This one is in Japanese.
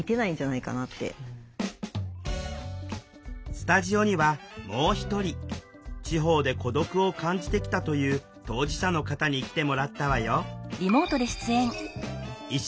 スタジオにはもう一人地方で孤独を感じてきたという当事者の方に来てもらったわよ